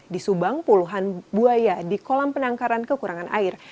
di subang puluhan buaya di kolam penangkaran kekurangan air